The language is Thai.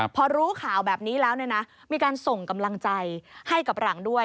พอรู้ข่าวแบบนี้แล้วมีการส่งกำลังใจให้กับหลังด้วย